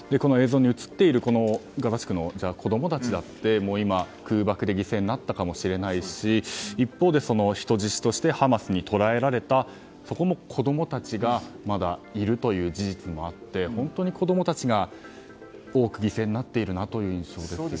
この映像に映っているガザ地区の子供たちだって空爆で犠牲になったかもしれないし一方で人質としてハマスに捕らえられた子供たちがまだいるという事実もあって本当に子供たちが多く、犠牲になっているなという印象ですね。